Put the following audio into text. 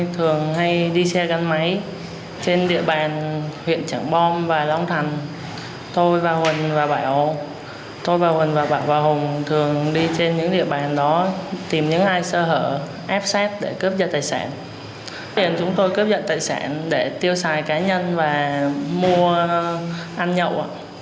tuy nhiên chúng tôi cướp giật tài sản để tiêu xài cá nhân và mua ăn nhậu